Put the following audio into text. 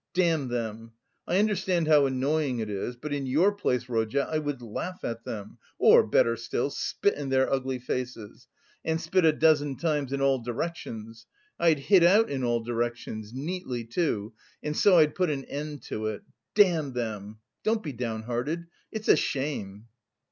Damn them! I understand how annoying it is, but in your place, Rodya, I would laugh at them, or better still, spit in their ugly faces, and spit a dozen times in all directions. I'd hit out in all directions, neatly too, and so I'd put an end to it. Damn them! Don't be downhearted. It's a shame!"